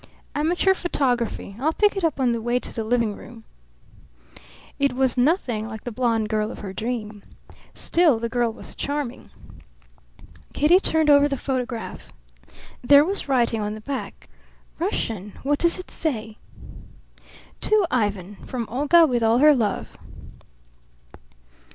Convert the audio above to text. "Amateur photography. I'll pick it up on the way to the living room." It was nothing like the blonde girl of her dream. Still, the girl was charming. Kitty turned over the photograph. There was writing on the back. "Russian? What does it say?" "'To Ivan from Olga with all her love.'"